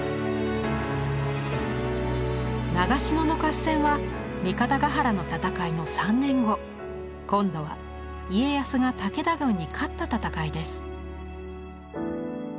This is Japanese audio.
長篠の合戦は三方ヶ原の戦いの３年後今度は家康が武田軍に勝った戦いです。